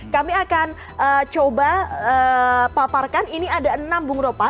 kami akan coba paparkan ini ada enam bung ropa